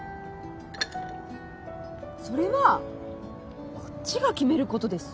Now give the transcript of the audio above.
それはこっちが決めることです。